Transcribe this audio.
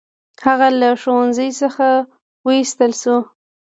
هغه له ښوونځي څخه وایستل شو.